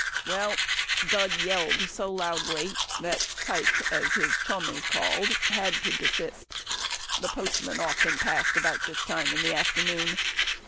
Well, Dud yelled so loudly, that Tike, as his chum is called, had to desist. The postman often passed about this time in the afternoon.